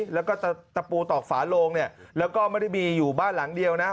แล้วก็ตะปูตอกฝาโลงเนี่ยแล้วก็ไม่ได้มีอยู่บ้านหลังเดียวนะ